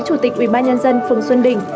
chủ tịch ubnd phường xuân đình